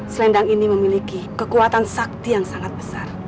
selendang ini memiliki kekuatan sakti yang sangat besar